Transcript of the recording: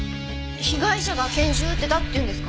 被害者が拳銃を撃ってたっていうんですか？